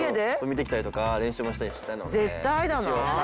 見てきたりとか練習もしたりしたので。